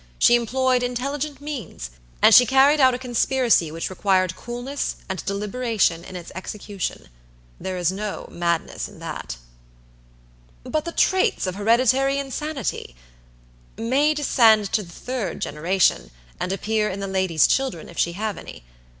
She employed intelligent means, and she carried out a conspiracy which required coolness and deliberation in its execution. There is no madness in that." "But the traits of hereditary insanity" "May descend to the third generation, and appear in the lady's children, if she have any.